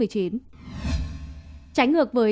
tránh ngược với